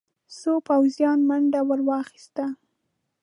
څو پوځيانو منډه ور واخيسته.